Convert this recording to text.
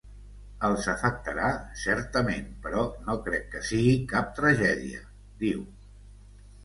“Els afectarà, certament, però no crec que sigui cap tragèdia”, diu.